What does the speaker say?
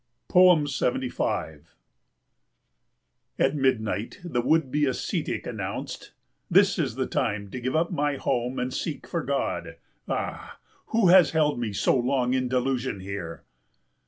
75 At midnight the would be ascetic announced: "This is the time to give up my home and seek for God. Ah, who has held me so long in delusion here?"